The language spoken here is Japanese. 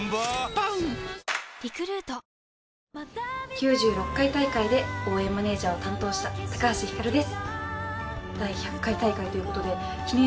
９６回大会で応援マネージャーを担当した高橋ひかるです。